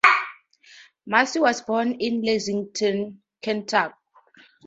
Massie was born in Lexington, Kentucky.